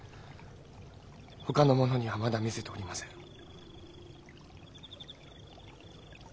ほかの者にはまだ見せておりません。